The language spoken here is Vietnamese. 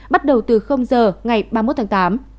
bắt đầu từ giờ ngày ba mươi một tháng tám